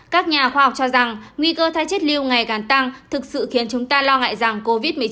các nhà khoa học cho rằng nguy cơ thái chất lưu ngày càng tăng thực sự khiến chúng ta lo ngại rằng covid một mươi chín